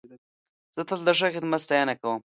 زه تل د ښه خدمت ستاینه کوم.